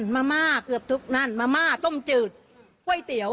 มะม่าเกือบทุกนั่นมะม่าต้มจืดก๋วยเตี๋ยว